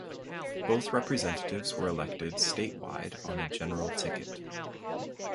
Both representatives were elected statewide on a general ticket.